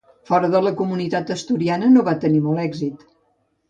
Fora de la comunitat asturiana no va tenir molt d'èxit.